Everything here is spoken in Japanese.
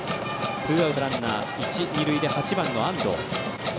ツーアウト、ランナ一、二塁で８番の安藤。